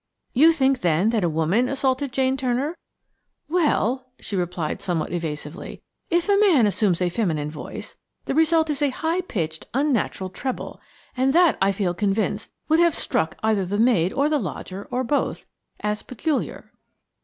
"You think, then, that a woman assaulted Jane Turner?" "Well," she replied somewhat evasively, "if a man assumes a feminine voice, the result is a high pitched, unnatural treble; and that, I feel convinced, would have struck either the maid or the lodger, or both, as peculiar."